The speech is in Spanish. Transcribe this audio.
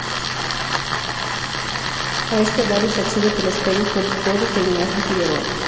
A este barrio se accede por las calles "Cuatro Torres" e "Ignacio Figueroa".